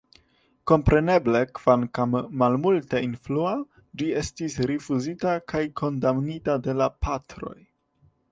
Kompreneble, kvankam malmulte influa, ĝi estis rifuzita kaj kondamnita de la Patroj.